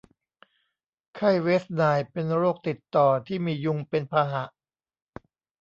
ไข้เวสต์ไนล์เป็นโรคติดต่อที่มียุงเป็นพาหะ